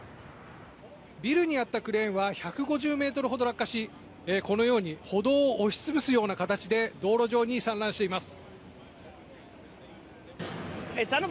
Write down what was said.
ビルにあったクレーンは１５０ｍほど落下しこのように歩道を押し潰すような形で道路上に散乱しています。